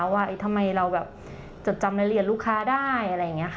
ว่าทำไมเราจดจำรายละเอียดลูกค้าได้